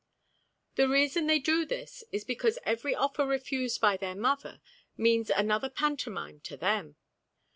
The reason they do this is because every offer refused by their mother means another pantomime to them.